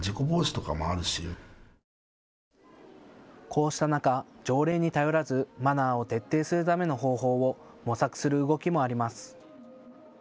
こうした中、条例に頼らずマナーを徹底するための方法を模索する動きもあります。